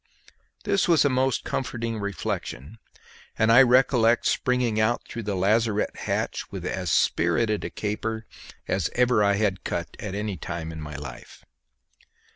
This was a most comforting reflection, and I recollect springing out through the lazarette hatch with as spirited a caper as ever I had cut at any time in my life.